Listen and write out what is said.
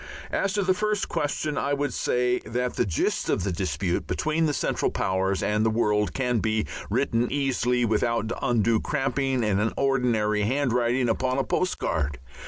As to the first question, I would say that the gist of the dispute between the Central Powers and the world can be written easily without undue cramping in an ordinary handwriting upon a postcard.